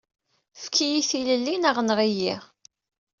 Efk-iyi tilelli neɣ enɣ-iyi.